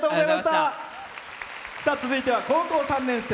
続いては高校３年生。